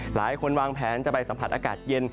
หลายคนวางแผนจะไปสัมผัสอากาศเย็น